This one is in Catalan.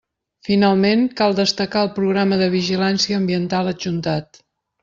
Finalment, cal destacar el programa de vigilància ambiental adjuntat.